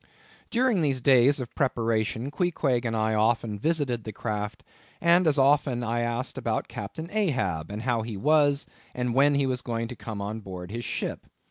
During these days of preparation, Queequeg and I often visited the craft, and as often I asked about Captain Ahab, and how he was, and when he was going to come on board his ship.